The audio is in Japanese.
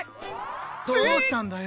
どうしたんだよ